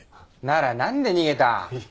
ならなんで逃げた？